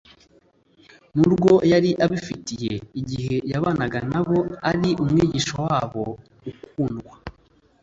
n'urwo yari abafitiye igihe yabanaga na bo ari Umwigisha wabo ukundwa,